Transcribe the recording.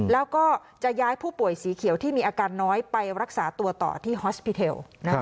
แล้วก็จะย้ายผู้ป่วยสีเขียวที่มีอาการน้อยไปรักษาตัวต่อที่ฮอสพิเทล